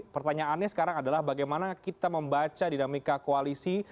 pertanyaannya sekarang adalah bagaimana kita membaca dinamika koalisi